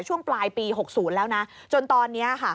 ช่วงปลายปี๖๐แล้วนะจนตอนนี้ค่ะ